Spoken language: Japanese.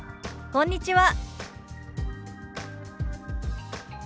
「こんにちは」。